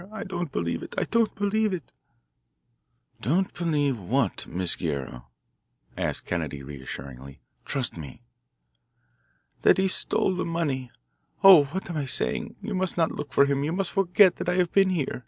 I don't believe it. I don't believe it." "Don't believe what, Miss Guerrero?" asked Kennedy reassuringly. "Trust me." "That he stole the money oh, what am I saying? You must not look for him you must forget that I have been here.